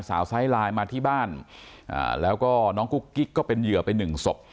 ไซส์ไลน์มาที่บ้านแล้วก็น้องกุ๊กกิ๊กก็เป็นเหยื่อไปหนึ่งศพ